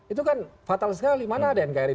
itu kan fatal sekali mana ada nkri